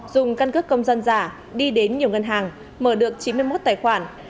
dùng căn cước công dân giả đi đến nhiều ngân hàng mở được chín mươi một tài khoản